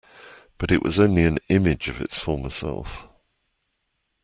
But it was only an image of its former self.